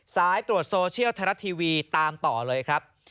สายตรวจโซเชียลไทยรัฐทีวีตามต่อเลยครับ